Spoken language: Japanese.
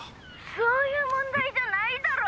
そういう問題じゃないだろ！